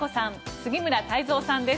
杉村太蔵さんです。